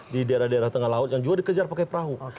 di daerah daerah tengah laut yang juga dikejar pakai perahu